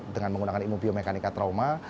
dengan menggunakan ilmu biomekanika trauma